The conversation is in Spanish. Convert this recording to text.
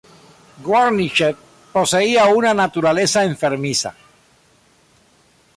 Wernicke poseía una naturaleza enfermiza.